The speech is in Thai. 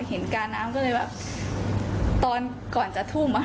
เห็นการนะผมก็เลยก่อนจะทุ่มอ่ะ